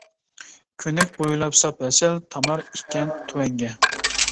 كۆنەك بويلاپ ساپ ھەسەل، تامار ئىكەن تۆۋەنگە.